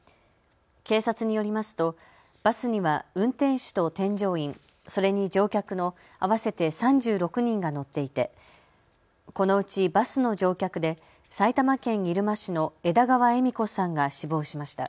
警察によりますとバスには運転手と添乗員、それに乗客の合わせて３６人が乗っていてこのうちバスの乗客で埼玉県入間市の枝川恵美子さんが死亡しました。